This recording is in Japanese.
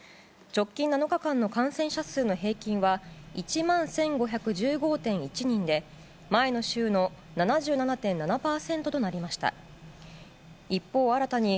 直近７日間の感染者数の平均は１万１５１５．１人で前の週の７７．７％となりました。